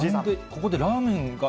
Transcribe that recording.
ここでラーメンが？